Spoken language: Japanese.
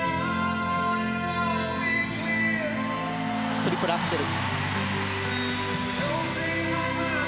トリプルアクセル。